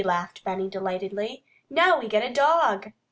laughed Benny delightedly. "Now we got a dog!"